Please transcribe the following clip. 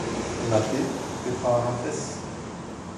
Na te, petra a rafes ?